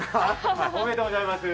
おめでとうございます。